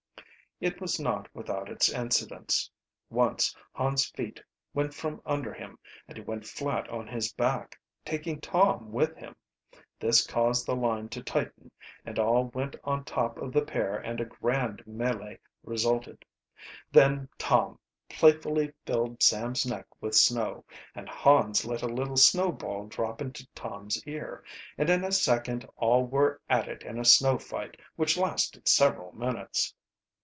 It was not without its incidents. Once Hans' feet went from under him and he went flat on his back, taking Tom with him. This caused the line to tighten and all went on top of the pair and a grand melee resulted. Then Tom playfully filled Sam's neck with snow, and Hans let a little snowball drop into Tom's ear, and in a second all were at it in a snow fight which lasted several minutes.